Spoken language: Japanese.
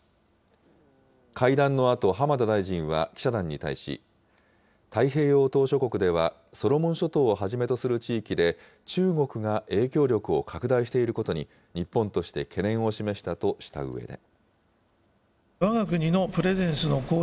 会談のあと、浜田大臣は記者団に対し、太平洋島しょ国では、ソロモン諸島をはじめとする地域で、中国が影響力を拡大していることに、日本として懸念を示したとしたうえで。